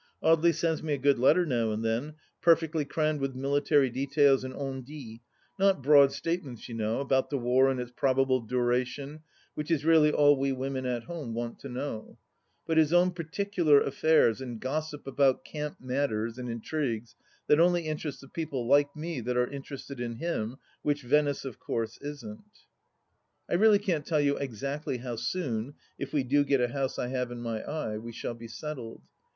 Audely sends me a good letter now and then, perfectly crammed with military details and on dits ; not broad statements, you know, about the war and its probable duration, which is really all we women at home want to know ; but his own particular affairs and gossip about camp matters and intrigues that only interest the people like me that are interested in him, which Venice, of course, isn't. ... I really can't tell you exactly how soon, if we do get a house I have in my eye, we shall be settled.